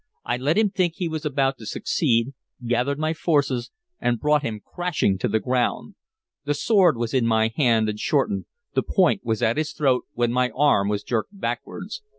I let him think he was about to succeed, gathered my forces and brought him crashing to the ground. The sword was in my hand and shortened, the point was at his throat, when my arm was jerked backwards.